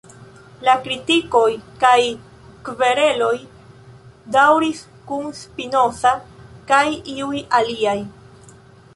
La kritikoj, kaj kvereloj, daŭris kun Spinoza kaj iuj aliaj.